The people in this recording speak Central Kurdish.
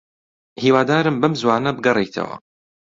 هیوادارم بەم زووانە بگەڕێیتەوە.